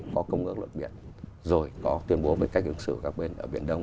có công ước luật biện rồi có tuyên bố về cách ứng xử của các bên ở biển đông